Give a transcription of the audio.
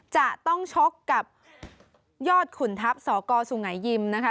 จะต้องชกกับยอดขุนทัพสกสุงัยยิมนะคะ